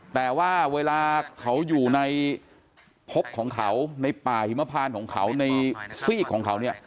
แต่ว่าเวลาเขาอยู่ในพบของเขาในป่าหิมพานของเขาในซีกของเขาเนี่ย